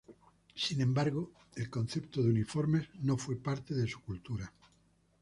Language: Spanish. Sin embargo, el concepto de uniformes no fue parte de su cultura.